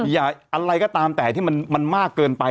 อะไรก็ตามแต่ที่มันมากเกินไป